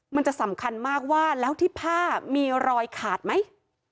มันจะสำคัญมากว่าแล้วที่ผ้ามีรอยขาดไหม